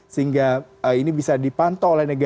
sehingga ini bisa dipantau